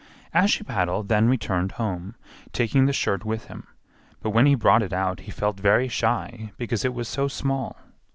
Ashiepattle then returned home, taking the shirt with him; but when he brought it out he felt very shy because it was so small.